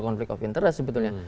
konflik of interest sebetulnya